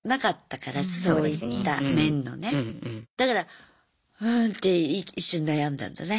だからうんって一瞬悩んだんだね。